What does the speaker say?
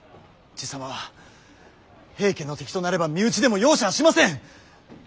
爺様は平家の敵となれば身内でも容赦はしません。